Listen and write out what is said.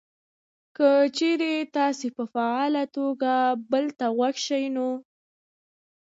که چېرې تاسې په فعاله توګه بل ته غوږ شئ نو: